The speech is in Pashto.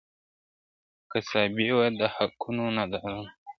قصابي وه د حقونو د نادارو ..